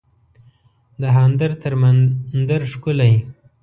دهاندر تر مندر ښکلی